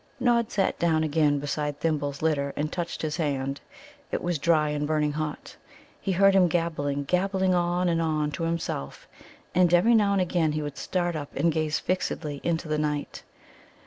Nod sat down again beside Thimble's litter and touched his hand. It was dry and burning hot. He heard him gabbling, gabbling on and on to himself, and every now and again he would start up and gaze fixedly into the night.